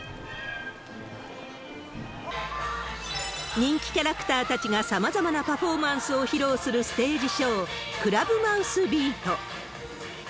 人気キャラクターたちがさまざまなパフォーマンスを披露するステージショー、クラブマウスビート。